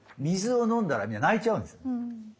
水を飲んだら皆泣いちゃうんですよ。